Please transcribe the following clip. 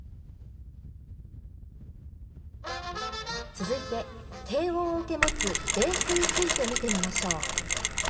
続いて低音を受け持つベースについて見てみましょう。